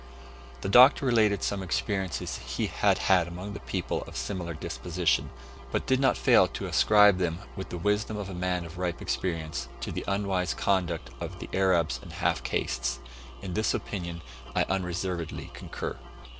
The Doctor related some experiences he had had among people of similar disposition, but did not fail to ascribe them, with the wisdom of a man of ripe experiences, to the unwise conduct of the Arabs and half castes; in this opinion I unreservedly concur.